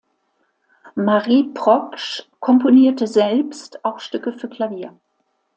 Marie Proksch komponierte selbst auch Stücke für Klavier.